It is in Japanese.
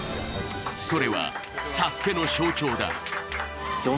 それはＳＡＳＵＫＥの象徴だ。